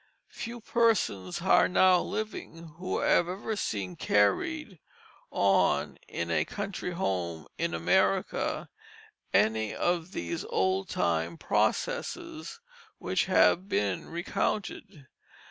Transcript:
Few persons are now living who have ever seen carried on in a country home in America any of these old time processes which have been recounted.